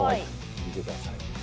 見てください。